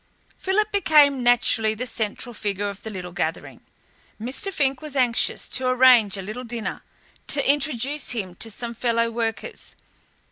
Philip became naturally the central figure of the little gathering. Mr. Fink was anxious to arrange a little dinner, to introduce him to some fellow workers.